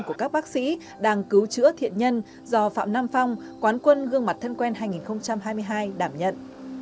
của các bác sĩ đang cứu chữa thiện nhân do phạm nam phong quán quân gương mặt thân quen hai nghìn hai mươi hai đảm nhận